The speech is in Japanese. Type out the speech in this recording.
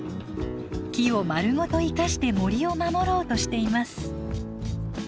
木をまるごと生かして森を守ろうとしています。